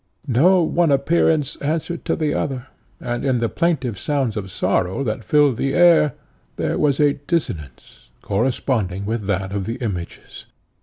No one appearance answered to the other, and in the plaintive sounds of sorrow that filled the air, there was a dissonance, corresponding with that of the images.